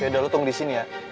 yaudah lo tunggu di sini ya